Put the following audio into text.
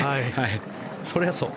それはそう。